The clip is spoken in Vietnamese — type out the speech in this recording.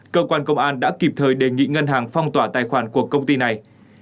cơ quan công an đã kịp thời đề nghị ngân hàng phong tỏa tài khoản của công ty này